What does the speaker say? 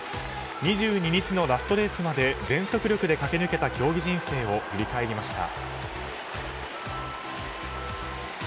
２２日のラストレースまで全速力で駆け抜けた競技人生を振り返りました。